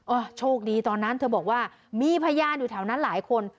โชคดีตอนนั้นเธอบอกว่ามีพยานอยู่แถวนั้นหลายคน